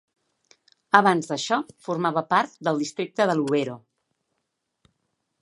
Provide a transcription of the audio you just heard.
Abans d'això, formava part del districte de Luweero.